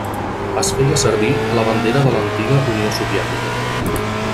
Es feia servir a la bandera de l'antiga Unió Soviètica.